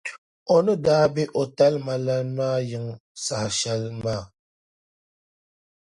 O ni daa be o talima lan’ maa yiŋ’ saha shɛli maa.